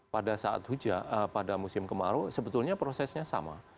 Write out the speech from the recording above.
pada musim kemarau sebetulnya prosesnya sama